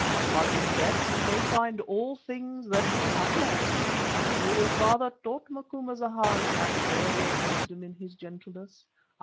But in death we may find all the things that we have lost. So your father taught, Macumazahn, and there was wisdom in his gentleness.